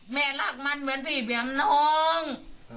แม่รักมันเหมือนพี่เหมือนน้อง